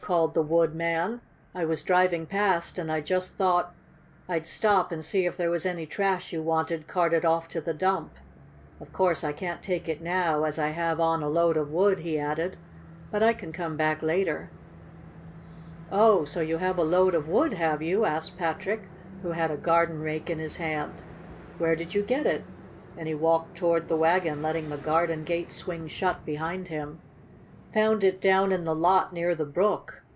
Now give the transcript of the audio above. called the wood man. "I was driving past and I just thought I'd stop and see if there was any trash you wanted carted off to the dump. Of course I can't take it now, as I have on a load of wood," he added. "But I can come back later." "Oh, so you have a load of wood, have you?" asked Patrick, who had a garden rake in his hand. "Where did you get it?" and he walked toward the wagon, letting the garden gate swing shut behind him. "Found it down in the lot near the brook.